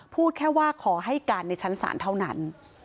พูดแค่ว่าขอให้การในชั้นศาลเท่านั้น